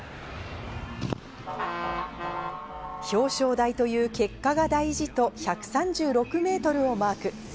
表彰台という結果が大事と１３６ｍをマーク。